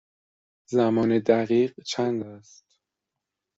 زمان دقیق چند است؟